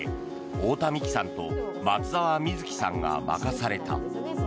太田美紀さんと松澤瑞木さんが任された。